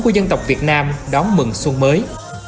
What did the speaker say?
của dân tộc việt nam đón mừng xuân mới